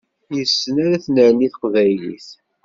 Yes-sen ara tennerni teqbaylit.